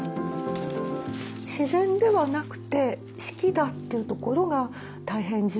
自然ではなくて四季だっていうところが大変重要です。